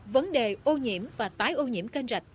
vấn đề ô nhiễm và tái ô nhiễm kênh rạch